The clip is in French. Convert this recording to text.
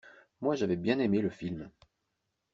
Moi j'avais bien aimé le film.